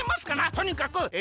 とにかくえ